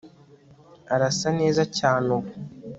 arasa neza cyane ubu